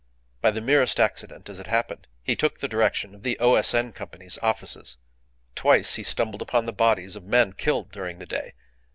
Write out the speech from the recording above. By the merest accident, as it happened, he took the direction of the O.S.N. Company's offices. Twice he stumbled upon the bodies of men killed during the day.